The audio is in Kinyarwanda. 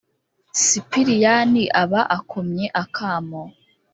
sipiriyani aba akomye akamo